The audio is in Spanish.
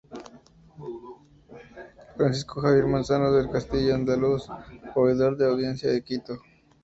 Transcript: Francisco Javier Manzanos del Castillo, andaluz, oidor de la Audiencia de Quito.